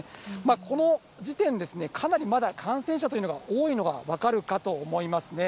この時点で、かなりまだ感染者というのが多いのが分かるかと思いますね。